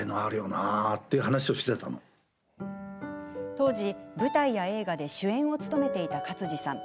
当時、舞台や映画で主演を務めていた勝地さん。